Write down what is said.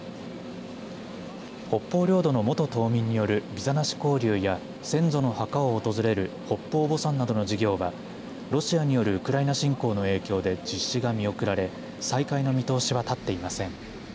北方領土の元島民によるビザなし交流や先祖の墓を訪れる北方墓参などの事業はロシアによるウクライナ侵攻の影響で実施が見送られ再開の見通しは立っていません。